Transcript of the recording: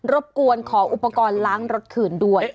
บกวนขออุปกรณ์ล้างรถคืนด้วย